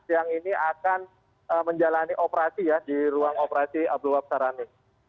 yang ini akan menjalani operasi ya di ruang operasi abdul wapsar rani